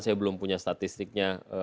saya belum punya statistiknya